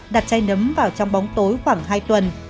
đặt chai nấm vào trong bóng tối khoảng hai tuần